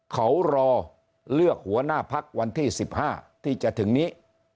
เขารอเลือกหัวหน้าพักวันที่๑๕ที่จะถึงนี้